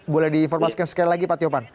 boleh diinformasikan sekali lagi pak tiopan